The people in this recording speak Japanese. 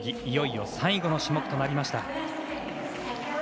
いよいよ最後の種目となりました。